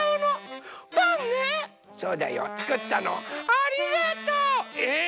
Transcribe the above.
ありがとう！え